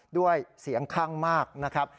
ด้วยเสียงข้างมากนะครับ